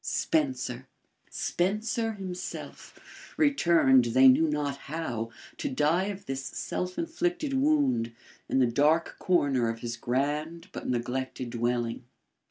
Spencer! Spencer himself, returned they knew not how, to die of this self inflicted wound, in the dark corner of his grand but neglected dwelling.